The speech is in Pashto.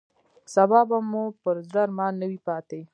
سبا به مو پر زړه ارمان نه وي پاتې.